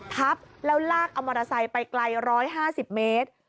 ทับแล้วลากเอามอเตอร์ไซค์ไปไกล๑๕๐เมตร